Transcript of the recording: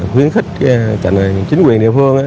khuyến khích chính quyền địa phương